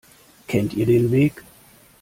Kennt ihr den Weg?